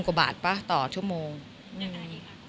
กว่าบาทป่ะต่อชั่วโมงยังไง